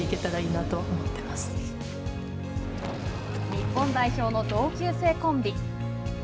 日本代表の同級生コンビ。